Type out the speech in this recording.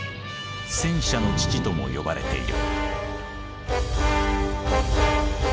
「戦車の父」とも呼ばれている。